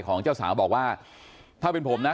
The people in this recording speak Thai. ของเจ้าสาวบอกว่าถ้าเป็นผมนะ